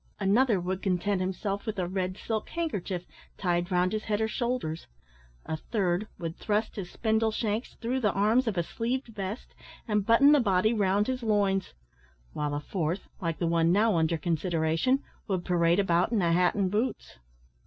Another would content himself with a red silk handkerchief tied round his head or shoulders. A third would thrust his spindle shanks through the arms of a sleeved vest, and button the body round his loins; while a fourth, like the one now under consideration, would parade about in a hat and boots.